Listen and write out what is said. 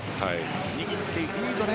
握って、リードで。